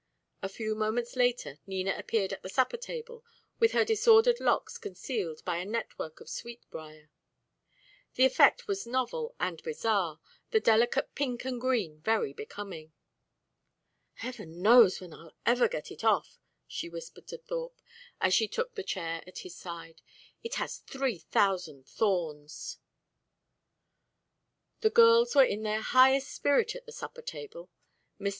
A few moments later Nina appeared at the supper table with her disordered locks concealed by a network of sweet brier. The effect was novel and bizarre, the delicate pink and green very becoming. "Heaven knows when I'll ever get it off," she whispered to Thorpe, as she took the chair at his side. "It has three thousand thorns." The girls were in their highest spirit at the supper table. Mr.